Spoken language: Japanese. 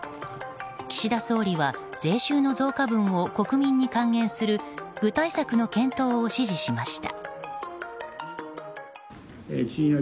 岸田総理は税収の増加分を国民に還元する具体策の検討を指示しました。